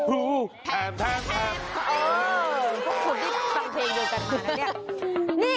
เออพวกคุณที่สั่งเพลงเดียวกันมานะเนี่ย